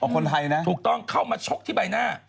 คนไทยนะถูกต้องเข้ามาชกที่ใบหน้า